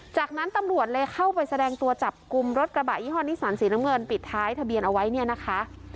จากนั้นตำรวจเลยเข้าไปแสดงตัวจับกลุ่มรถกระบะยี่ห้อนิสันสีน้ำเงินปิดท้ายทะเบียนเอาไว้เนี่ยนะคะ